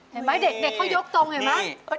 เห็นไหมเด็กเขายกตรงเหมือนมั๊ย